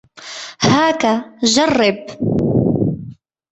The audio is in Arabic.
هاك، جرب.